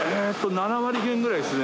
７割減ぐらいですね。